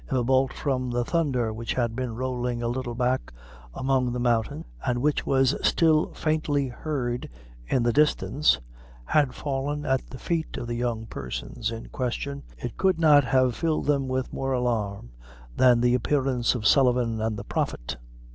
If a bolt from the thunder which had been rolling a little back among the mountains, and which was still faintly heard in the distance, had fallen at the feet of the young persons in question, it could not have filled them with more alarm than the appearance of Sullivan and the prophet.